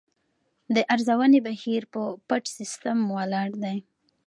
د ارزونې بهیر په پټ سیستم ولاړ دی.